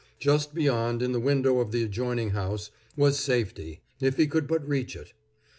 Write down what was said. Just beyond, in the window of the adjoining house, was safety, if he could but reach it.